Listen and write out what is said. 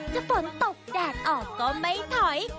ถ้าฝนตกแดดออกก็ไม่ถอย